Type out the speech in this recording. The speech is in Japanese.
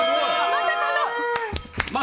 まさかの！